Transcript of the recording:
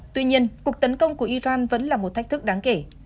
tuy nhiên cuộc tấn công của iran vẫn là một thách thức đáng kể